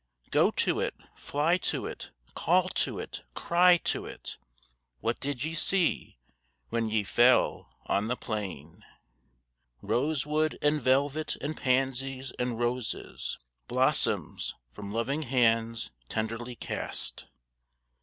Go to it, fly to it, call to it, cry to it, What did ye see when ye fell on the plain? Rosewood, and velvet, and pansies, and roses, Blossoms from loving hands tenderly cast.